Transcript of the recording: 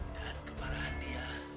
dan kemarahan dia